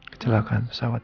kecelakaan pesawat itu